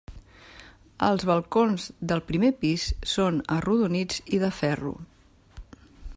Els balcons del primer pis són arrodonits i de ferro.